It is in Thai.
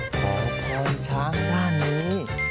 มหาทองช้างด้านนี้